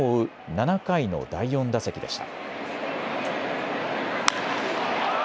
７回の第４打席でした。